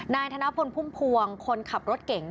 นายธนาพนภวงพลคนขับรถเก่ง